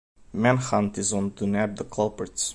Manhunt is on to nab the culprits.